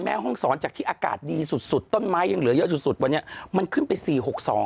แม่ฮ่องซอนจากที่อากาศดีสุดสุดต้นไม้ยังเหลือแยอะอยู่สุดวันนี้มันขึ้นไป